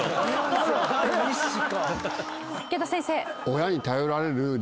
池田先生。